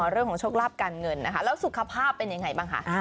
เรื่องของโชคลาภการเงินนะคะแล้วสุขภาพเป็นยังไงบ้างคะ